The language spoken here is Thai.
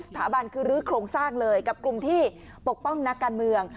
สถาบันคือรื้อโครงสร้างเลยกับกลุ่มที่ปกป้องนักการเมือง